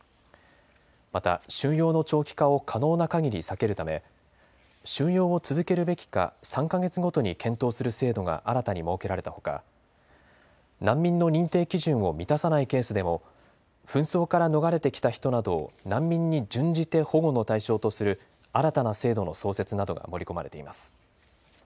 また収容の長期化を可能なかぎり避けるため収容を続けるべきか３か月ごとに検討する制度が新たに設けられたほか難民の認定基準を満たさないケースでも紛争から逃れてきた人などを難民に準じて保護の対象とする新たな制度の創設などが盛り込まれています。